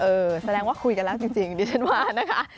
แสดงว่าคุยกันแล้วจริงดิฉันว่านะคะ